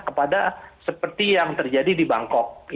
kepada seperti yang terjadi di bangkok